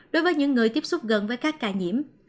đối với những người tiếp xúc gần với các ca nhiễm